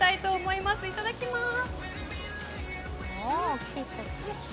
いただきます。